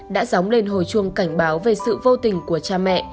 đã dóng lên hồi chuông cảnh báo về sự vô tình của cha mẹ